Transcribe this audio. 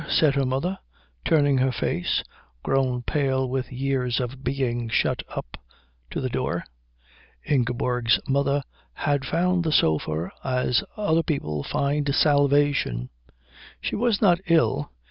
said her mother, turning her face, grown pale with years of being shut up, to the door. Ingeborg's mother had found the sofa as other people find salvation. She was not ill.